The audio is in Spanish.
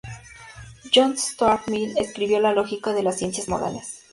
John Stuart Mill escribió "La lógica de las ciencias morales".